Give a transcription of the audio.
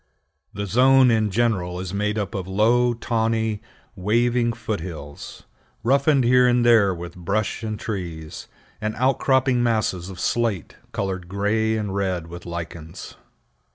The zone in general is made up of low, tawny, waving foot hills, roughened here and there with brush and trees, and outcropping masses of slate, colored gray and red with lichens.